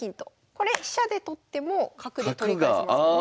これ飛車で取っても角で取り返せますよね。